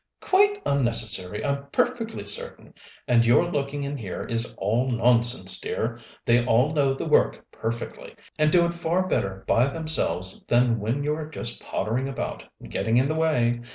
"Quite unnecessary, I'm perfectly certain. And your looking in here is all nonsense, dear. They all know the work perfectly, and do it far better by themselves than when you're just pottering about, getting in the way.